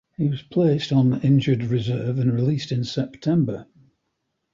He was placed on injured reserve and released in September.